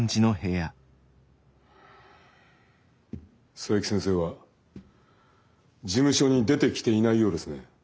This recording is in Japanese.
佐伯先生は事務所に出てきていないようですね。